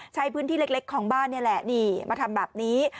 ใช้พื้นที่เล็กของบ้านนี่แหละนี่มาทำแบบนี้